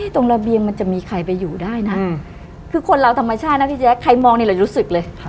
ตรงระเบียงมันจะมีใครไปอยู่ได้นะคือคนเราธรรมชาตินะพี่แจ๊คใครมองนี่เรารู้สึกเลย